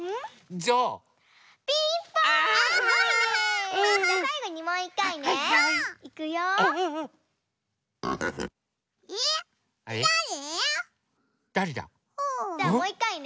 じゃあもういっかいね。